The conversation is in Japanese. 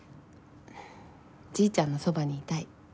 じいちゃんのそばにいたい。